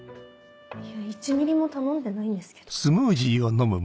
いや１ミリも頼んでないんですけど。